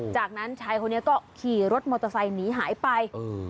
จากนั้นชายคนนี้ก็ขี่รถมอเตอร์ไซค์หนีหายไป